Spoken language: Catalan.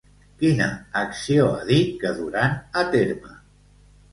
Quina acció ha dit que duran a terme?